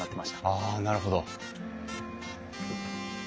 あなるほど。